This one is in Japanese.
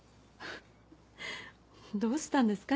どうしたんですか？